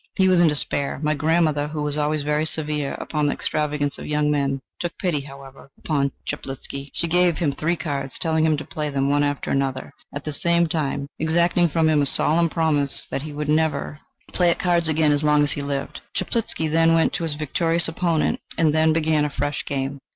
He was in despair. My grandmother, who was always very severe upon the extravagance of young men, took pity, however, upon Chaplitzky. She gave him three cards, telling him to play them one after the other, at the same time exacting from him a solemn promise that he would never play at cards again as long as he lived. Chaplitzky then went to his victorious opponent, and they began a fresh game.